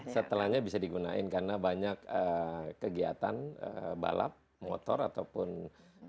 setelahnya bisa digunain karena banyak kegiatan balap motor ataupun mobil kecil